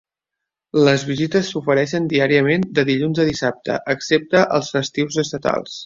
Les visites s'ofereixen diàriament de dilluns a dissabte, excepte els festius estatals.